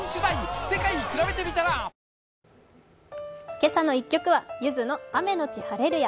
「けさの１曲」はゆずの「雨のち晴レルヤ」。